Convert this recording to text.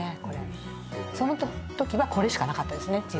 これその時はこれしかなかったですね